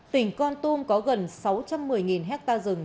tỉnh con tum có gần sáu trăm một mươi hectare rừng